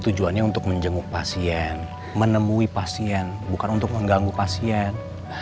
tujuannya untuk menjenguk pasien menemui pasien bukan untuk mengganggu pasien